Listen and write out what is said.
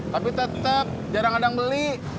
tapi tetap jarang adang beli